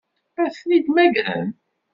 Ad ten-id-mmagren?